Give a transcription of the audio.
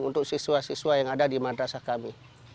untuk siswa siswa yang ada di madrasah kami